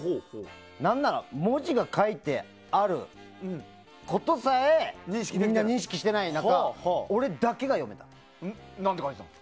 何なら文字が書いてあることさえみんな認識してない中何て書いてあったの？